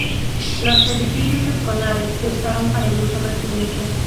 Los edificios escolares se usaron para el uso residencial.